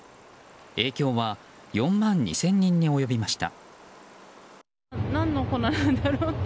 影響は４万２０００人に及びました。